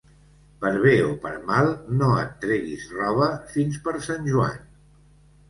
Per bé o per mal, no et treguis roba fins per Sant Joan.